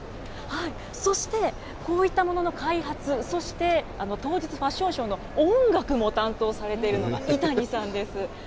そしてこういったものの開発、そして当日、ファッションショーの音楽も担当されているのが、井谷さんです。